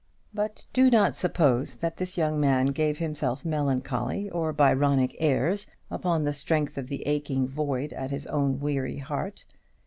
But do not suppose that this young man gave himself melancholy or Byronic airs upon the strength of the aching void at his own weary heart.